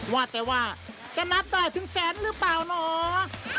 ว่าแต่ว่าจะนับได้ถึงแสนหรือเปล่าเหรอ